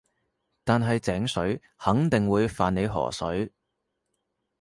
但係井水肯定會犯你河水